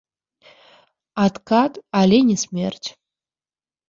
Адкат, але не смерць.